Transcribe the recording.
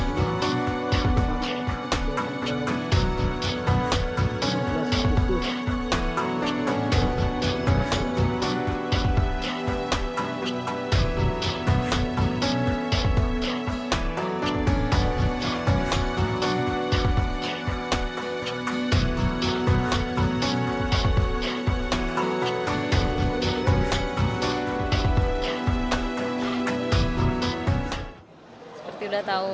seperti udah tahu